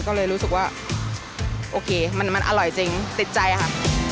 ก็เลยรู้สึกว่าโอเคมันอร่อยจริงติดใจค่ะ